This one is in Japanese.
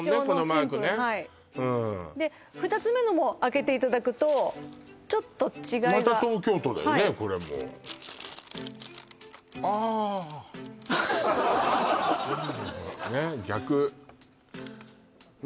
イチョウのシンプルはい２つ目のも開けていただくとちょっと違いがはいまた東京都だよねこれもああほらねえ逆ま